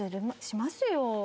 しますよ。